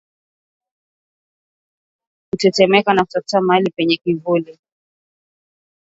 Kutetemeka na kutafuta mahali penye kivuli